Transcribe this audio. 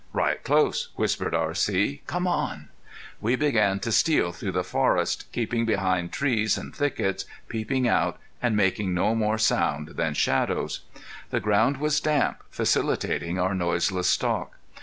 "Right close," whispered R.C. "Come on." We began to steal through the forest, keeping behind trees and thickets, peeping out, and making no more sound than shadows. The ground was damp, facilitating our noiseless stalk.